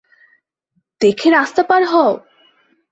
দেখে রাস্তা পার হও!